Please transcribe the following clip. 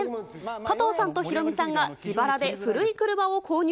加藤さんとヒロミさんが自腹で古い車を購入。